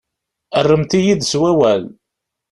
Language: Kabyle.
Rremt-iyi-d s wawal.